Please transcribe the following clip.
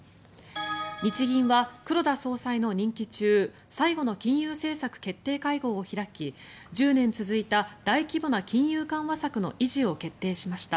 日銀は黒田総裁の任期中最後の金融政策決定会合を開き１０年続いた大規模な金融緩和策の維持を決定しました。